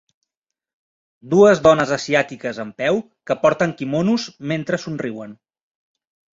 Dues dones asiàtiques en peu que porten kimonos mentre somriuen.